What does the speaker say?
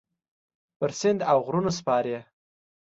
پر سیند اوغرونو سپارې